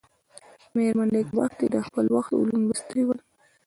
مېرمن نېکبختي د خپل وخت علوم لوستلي ول.